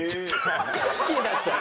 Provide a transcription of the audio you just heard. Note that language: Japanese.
好きになっちゃう。